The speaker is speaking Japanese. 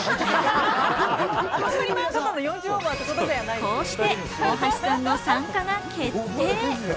こうして大橋さんの参加が決定。